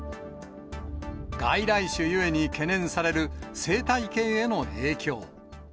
外来種ゆえに懸念される生態系への影響。